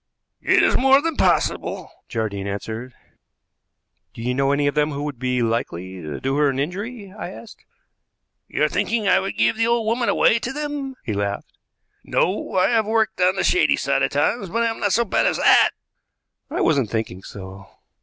"It is more than possible," Jardine answered. "Do you know any of them who would be likely to do her an injury?" I asked. "You're thinking I would give the old woman away to them?" he laughed. "No; I have worked on the shady side at times, but I am not so bad as that." "I wasn't thinking so."